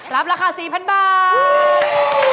รับราคา๔๐๐๐บาท